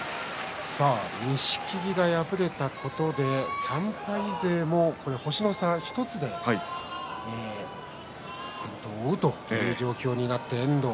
錦木が敗れたことで３敗勢も星の差１つで先頭を追うという状況になって遠藤。